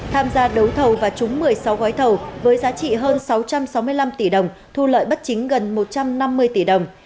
tham gia đấu thầu và trúng một mươi sáu gói thầu với giá trị hơn sáu trăm sáu mươi năm tỷ đồng thu lợi bất chính gần một trăm năm mươi tỷ đồng